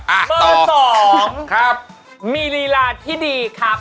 อ่าต่อครับเบอร์๒มีรีลาที่ดีครับ